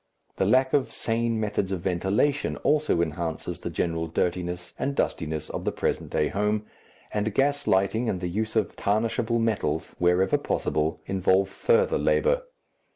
The lack of sane methods of ventilation also enhances the general dirtiness and dustiness of the present day home, and gas lighting and the use of tarnishable metals, wherever possible, involve further labour.